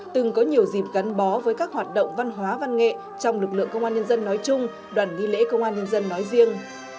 từng có nhiều dịp gắn bó với các hoạt động văn hóa văn nghệ trong lực lượng công an nhân dân nói chung đoàn nghi lễ công an nhân dân nói riêng